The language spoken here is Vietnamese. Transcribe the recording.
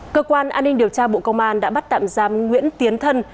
cơ quan an ninh điều tra bộ công an đã bắt tạm giam nguyễn tiến thân